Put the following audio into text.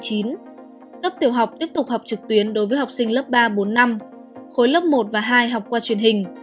cấp tiểu học tiếp tục học trực tuyến đối với học sinh lớp ba bốn năm khối lớp một và hai học qua truyền hình